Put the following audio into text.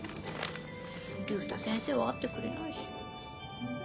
竜太先生は会ってくれないし。